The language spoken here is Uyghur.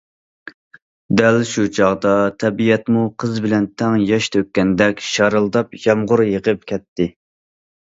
دەل شۇ چاغدا تەبىئەتمۇ قىز بىلەن تەڭ ياش تۆككەندەك شارىلداپ يامغۇر يېغىپ كەتتى.